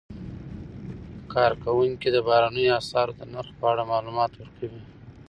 کارکوونکي د بهرنیو اسعارو د نرخ په اړه معلومات ورکوي.